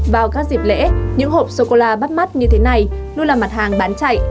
vào các dịp lễ những hộp sô cô la bắt mắt như thế này luôn là mặt hàng bán chạy